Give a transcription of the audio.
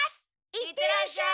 行ってらっしゃい！